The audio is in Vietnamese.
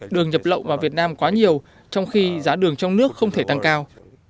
đường nhập lậu vào việt nam quá nhiều trong khi giá đường trong nước không thể tăng cao